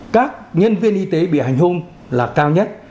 các nhân viên y tế bị hành hung là cao nhất